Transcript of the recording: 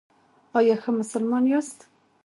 ایا ښه مسلمان یاست؟